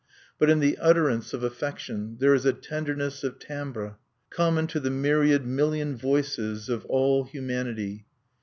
But in the utterance of affection there is a tenderness of timbre common to the myriad million voices of all humanity.